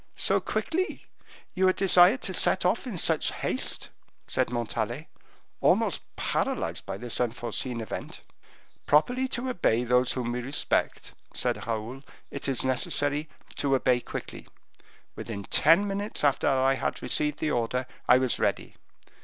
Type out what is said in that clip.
"So quickly! You are desired to set off in such haste!" said Montalais, almost paralyzed by this unforeseen event. "Properly to obey those whom we respect," said Raoul, "it is necessary to obey quickly. Within ten minutes after I had received the order, I was ready.